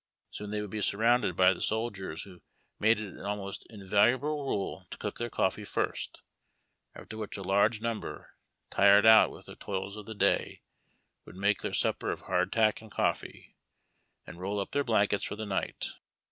Soon they, would be surrounded by the soldiers, who made it an almost invariable rule to cook their coffee first, after which a large number, tired out with the toils of the day, would make their sujiper of hardtack and coffee, and roll up in their blankets for the night.